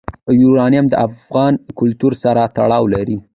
یورانیم د افغان کلتور سره تړاو لري.